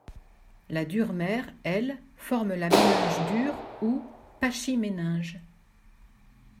La dure-mère, elle, forme la méninge dure ou pachyméninge.